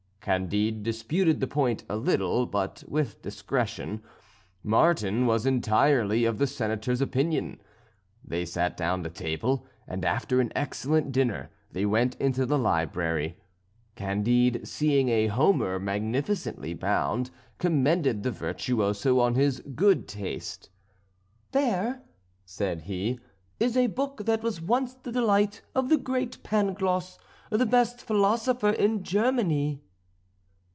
Candide disputed the point a little, but with discretion. Martin was entirely of the Senator's opinion. They sat down to table, and after an excellent dinner they went into the library. Candide, seeing a Homer magnificently bound, commended the virtuoso on his good taste. "There," said he, "is a book that was once the delight of the great Pangloss, the best philosopher in Germany."